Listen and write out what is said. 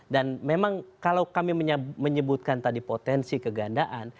dan memang kalau kami menyebutkan tadi potensi kegandaan